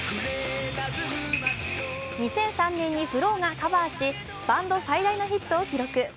２００３年にＦＬＯＷがカバーしバンド最大のヒットを記録。